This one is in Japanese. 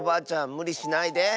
むりしないで。